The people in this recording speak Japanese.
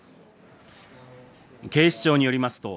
警視庁によりますと、